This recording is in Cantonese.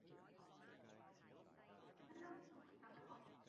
哩餐我嘅，唔好同我爭